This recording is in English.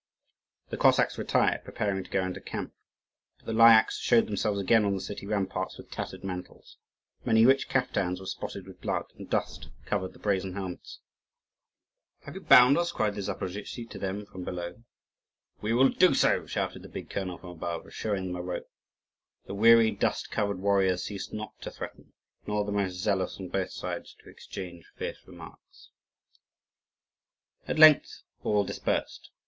The Cossacks retired, preparing to go into camp; but the Lyakhs showed themselves again on the city ramparts with tattered mantles. Many rich caftans were spotted with blood, and dust covered the brazen helmets. "Have you bound us?" cried the Zaporozhtzi to them from below. "We will do so!" shouted the big colonel from above, showing them a rope. The weary, dust covered warriors ceased not to threaten, nor the most zealous on both sides to exchange fierce remarks. At length all dispersed.